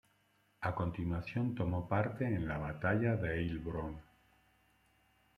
A continuación, tomó parte en la Batalla de Heilbronn.